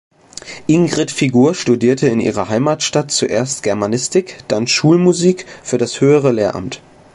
Ingrid Figur studierte in ihrer Heimatstadt zuerst Germanistik, dann Schulmusik für das Höhere Lehramt.